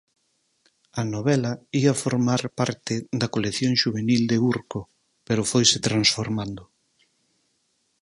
A novela ía formar parte da colección xuvenil de Urco, pero foise transformando.